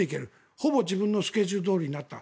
ほぼ自分のスケジュールどおりになっていた。